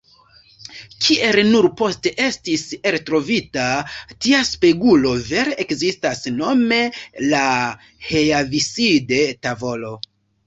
Kiel nur poste estis eltrovita, tia spegulo vere ekzistas, nome la Heaviside-tavolo.